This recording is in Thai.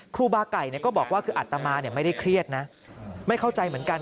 ครูบาไก่ก็บอกว่าคืออัตมาไม่ได้เครียดนะไม่เข้าใจเหมือนกัน